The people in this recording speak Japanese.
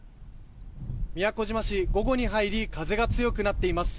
宮古島市、午後に入り風が強くなっています。